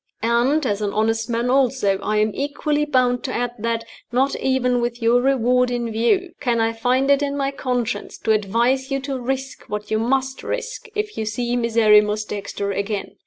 And, as an honest man also, I am equally bound to add that, not even with your reward in view, can I find it in my conscience to advise you to risk what you must risk if you see Miserrimus Dexter again.